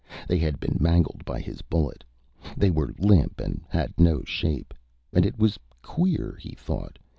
They had been mangled by his bullet. They were limp and had no shape. And it was queer, he thought.